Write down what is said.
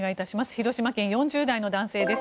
広島県、４０代の男性です。